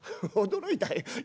驚いたい。